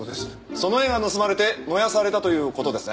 その絵が盗まれて燃やされたという事ですね？